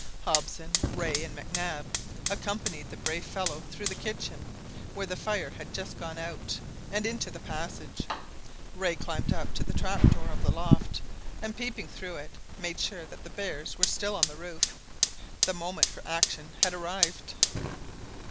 Hobson, Rae, and Mac Nab accompanied the brave fellow through the kitchen, where the fire had just gone out, and into the passage. Rae climbed up to the trap door of the loft, and peeping through it, made sure that the bears were still on the roof. The moment for action had arrived.